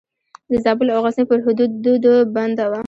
د زابل او غزني پر حدودو بنده وه.